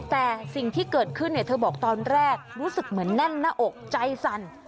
แต่สิ่งที่เกิดขึ้นเธอบอกตอนแรกรู้สึกเหมือนแน่นหน้าอกใจสั่น